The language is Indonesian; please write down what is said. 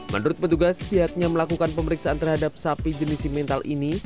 menurut petugas pihaknya melakukan pemeriksaan terhadap sapi jenis simental ini